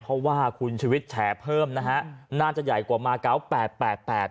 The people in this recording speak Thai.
เพราะว่าคุณชุวิตแฉเพิ่มนะฮะน่าจะใหญ่กว่ามาเก้าแปดแปดแปด